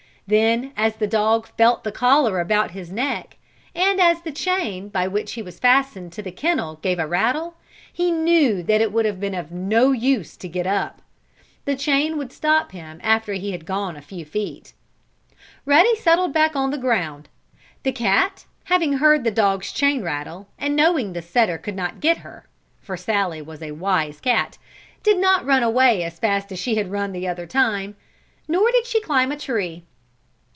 Then, as the dog felt the collar about his neck, and as the chain by which he was fastened to the kennel gave a rattle, he knew that it would have been of no use to get up. The chain would stop him after he had gone a few feet. Ruddy settled back on the ground. The cat having heard the dog's chain rattle, and knowing the setter could not get her (for Sallie was a wise cat) did not run away as fast as she had run the other time. Nor did she climb a tree.